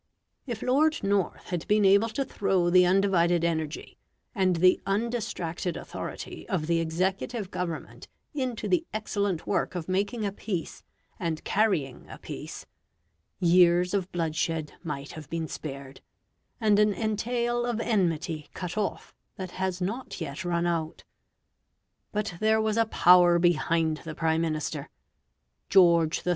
If Lord North had been able to throw the undivided energy and the undistracted authority of the executive Government into the excellent work of making a peace and carrying a peace, years of bloodshed might have been spared, and an entail of enmity cut off that has not yet run out. But there was a power behind the Prime Minister; George III.